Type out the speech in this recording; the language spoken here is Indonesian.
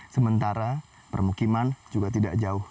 sementara permukiman juga tidak jauh